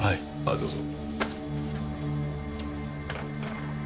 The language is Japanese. あどうぞ。